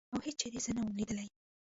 او هېڅ چېرې زه نه وم لیدلې.